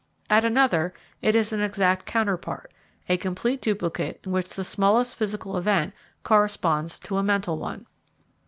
At another, it is an exact counterpart, a complete duplicate in which the smallest physical event corresponds to a mental one.